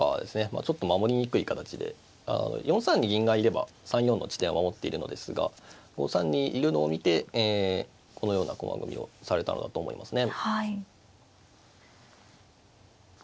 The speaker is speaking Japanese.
ちょっと守りにくい形で４三に銀がいれば３四の地点を守っているのですが５三にいるのを見てこのような駒組みをされたのだと思いますね。